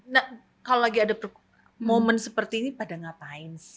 nah kalau lagi ada momen seperti ini pada ngapain sih